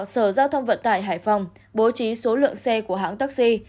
sở giao thông vận tải hải phòng bố trí số lượng xe của hãng taxi